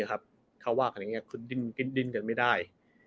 คือดินยังไม่ได้